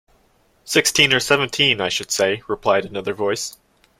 "Sixteen or seventeen, I should say," replied another voice.